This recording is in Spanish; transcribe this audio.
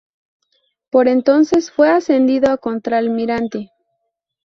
Por entonces fue ascendido a contralmirante.